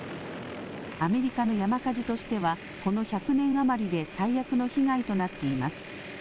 アメリカの山火事としてはこの１００年余りで最悪の被害となっています。